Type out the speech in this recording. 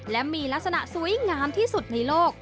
และมีลักษณะสวยงามที่สุดในโลก